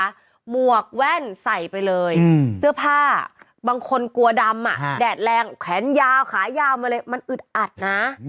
หมวกแว่นใส่ไปเลยเสื้อผ้าบางคนกลัวดำแดดแรงแขนยาวขายาวมาเลยมันอึดอัดนะ